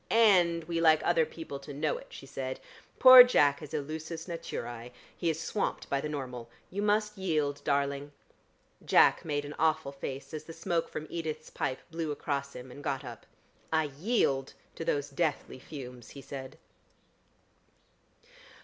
"And we like other people to know it," she said. "Poor Jack is a lusus naturæ; he is swamped by the normal. You must yield, darling." Jack made an awful face as the smoke from Edith's pipe blew across him, and got up. "I yield to those deathly fumes," he said.